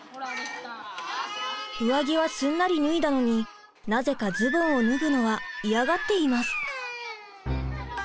上着はすんなり脱いだのになぜかズボンを脱ぐのは嫌がっています。